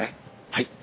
はい。